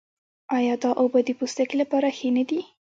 آیا دا اوبه د پوستکي لپاره ښې نه دي؟